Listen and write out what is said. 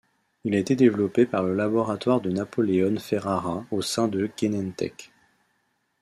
Il a été développé par le laboratoire de Napoleone Ferrara au sein de Genentech.